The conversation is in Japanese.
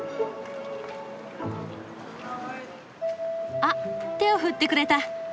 あっ手を振ってくれた。